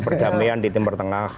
perdamaian di timber tengah